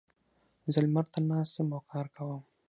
زه لمر ته ناست یم او کار کوم.